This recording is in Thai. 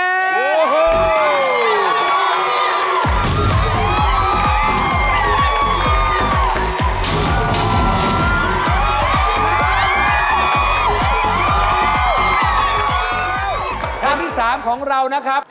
เลยที่สามของเรานะครับ